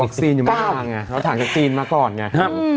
วัคซีนจากจีนมาก่อนไง